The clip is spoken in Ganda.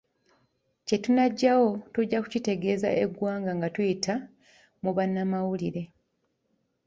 Kye tunaggyayo tujja kukitegeeza eggwanga nga tuyita mu bannamawulire.